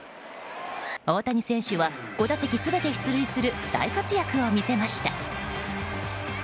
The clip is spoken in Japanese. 大谷選手は５打席全て出塁する大活躍を見せました。